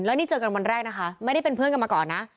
แล้วนี่เจอกันวันแรกนะคะไม่ได้เป็นเพื่อนกันมาก่อนนะ